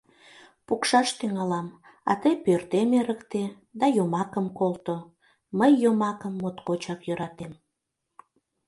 Пукшаш тӱҥалам, а тый пӧртем эрыкте да йомакым колто — мый йомакым моткочак йӧратем.